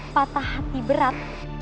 patah hati berat